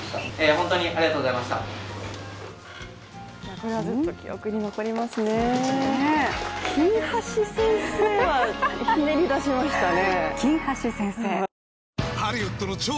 これはずっと記憶に残りますね。